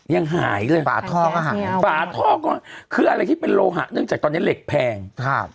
ยังหายเลยฝาท่ออ่ะฝาท่อก็คืออะไรที่เป็นโลหะเนื่องจากตอนนี้เหล็กแพงครับ